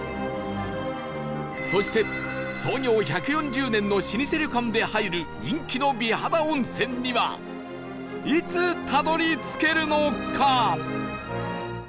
そして創業１４０年の老舗旅館で入る人気の美肌温泉にはいつたどり着けるのか？